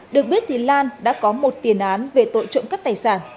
được biết thì lan đã có một tiền án về tội trộm cắp tài sản